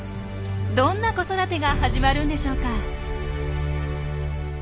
どんな子育てが始まるんでしょうか。